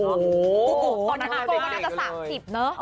โอ้โหตอนนั้นพี่โก้ก็น่าจะ๓๐เนอะ